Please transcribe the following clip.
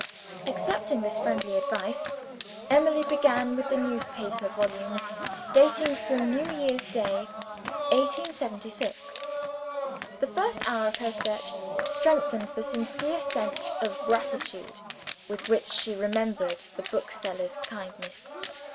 Accepting this friendly advice, Emily began with the newspaper volume dating from New Year's Day, 1876. The first hour of her search strengthened the sincere sense of gratitude with which she remembered the bookseller's kindness.